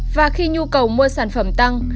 và khi nhu cầu mua sản phẩm tăng